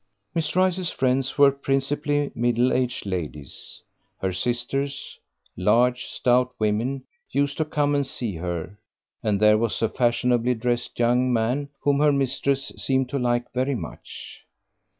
Miss Rice's friends were principally middle aged ladies. Her sisters, large, stout women, used to come and see her, and there was a fashionably dressed young man whom her mistress seemed to like very much.